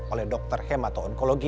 oleh dokter hema atau onkologi